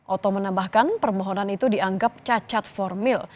oto menambahkan permohonan itu dianggap cacat formil